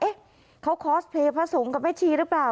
เขาคอสเพลย์พระสงฆ์กับแม่ชีหรือเปล่า